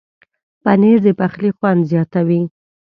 پنېر د پخلي خوند زیاتوي.